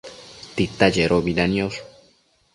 Tita chedobida nidosh?